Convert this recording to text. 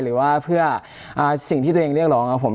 หรือว่าเพื่อสิ่งที่ตัวเองเรียกร้องครับผม